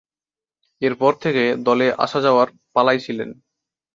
এরপর থেকে দলে আসা-যাওয়ার পালায় ছিলেন।